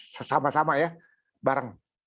sesama sama ya bareng